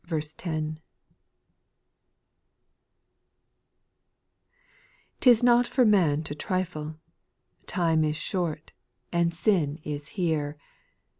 1fT\ IS not for man to trifle I Time is short, X And sin is here.